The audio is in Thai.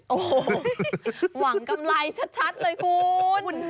โอ้โหหวังกำไรชัดเลยคุณ